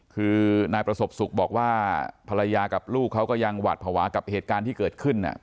คือนายประสบสุขบอกว่าภรรยากับลูกเขาก็ยังหวาดภาวะกับเหตุการณ์ที่เกิดขึ้น